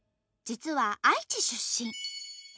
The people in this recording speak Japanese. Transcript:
実は愛知出身。